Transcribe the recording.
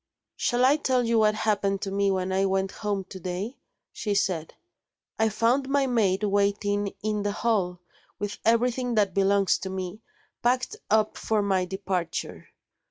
"Shall I tell you what happened to me when I went home to day?" she said. "I found my maid waiting in the hall with everything that belongs to me, packed up for my departure.